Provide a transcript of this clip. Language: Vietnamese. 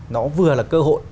nó vừa là cơ hội